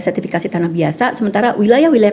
sertifikasi tanah biasa sementara wilayah wilayah